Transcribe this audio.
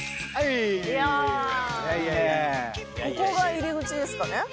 ここが入り口ですかね。